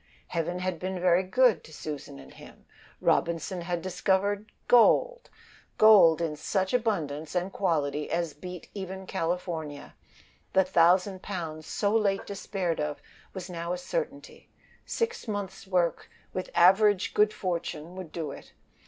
Heaven had been very good to Susan and him. Robinson had discovered gold; gold in such abundance and quality as beat even California. The thousand pounds, so late despaired of, was now a certainty. Six months' work, with average good fortune, would do it.